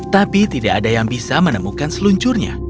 tapi tidak ada yang bisa menemukan seluncurnya